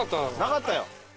なかったよ。